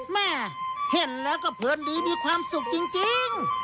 แม่เห็นแล้วก็เพลินดีมีความสุขจริง